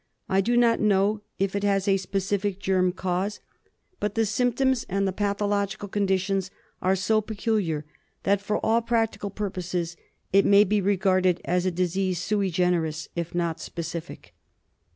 I do not know if it has a specific germ cause, but the symptoms and the pathological 206 TREATMENT OF conditions are so peculiar, that for all practical pur poses it may be regarded as a disease sui generis if not specific.